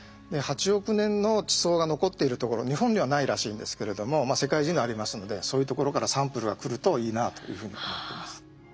８億年の地層が残っているところ日本にはないらしいんですけれども世界中にありますのでそういうところからサンプルが来るといいなというふうに思ってます。